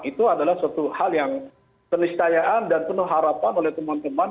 itu adalah suatu hal yang keniscayaan dan penuh harapan oleh teman teman